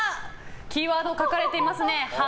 キーワード書かれていますね。